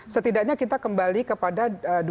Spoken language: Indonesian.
setidaknya kita kembali kepada dua ribu empat